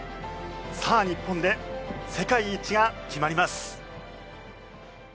さあ日本で世界一が決まります。